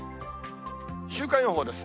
週間予報です。